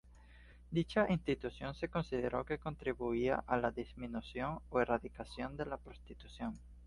Dicha institución se consideró que contribuía a la disminución o erradicación de la prostitución.